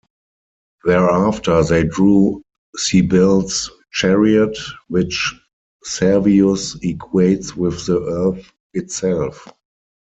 Thereafter they drew Cybele's chariot, which Servius equates with the Earth itself.